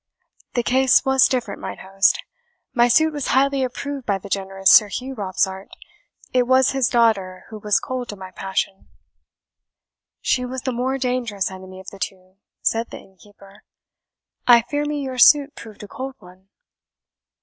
"The case was different, mine host. My suit was highly approved by the generous Sir Hugh Robsart; it was his daughter who was cold to my passion." "She was the more dangerous enemy of the two," said the innkeeper. "I fear me your suit proved a cold one."